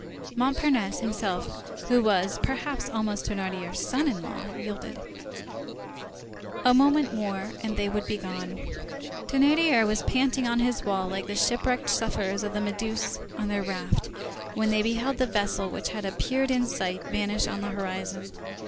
Montparnasse himself, who was, perhaps, almost Thénardier's son in law, yielded. A moment more, and they would be gone. Thénardier was panting on his wall like the shipwrecked sufferers of the Méduse on their raft when they beheld the vessel which had appeared in sight vanish on the horizon.